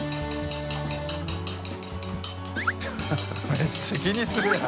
めっちゃ気にするやん。